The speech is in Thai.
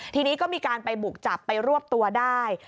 ทีนี้ก็มีการไปบุกจับไปรวบตัวได้